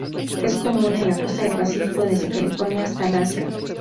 Es común en la costa del Pacífico desde California hasta Alaska.